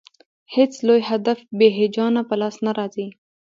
هېڅ لوی هدف بې هیجانه په لاس نه راځي.